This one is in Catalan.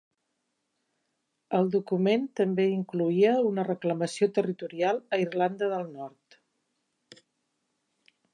El document també incloïa una reclamació territorial a Irlanda del Nord.